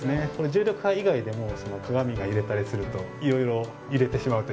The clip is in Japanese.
重力波以外でも鏡が揺れたりするといろいろ揺れてしまうというのが見えると。